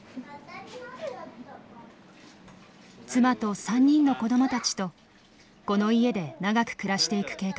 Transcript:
妻と３人の子どもたちとこの家で長く暮らしていく計画でした。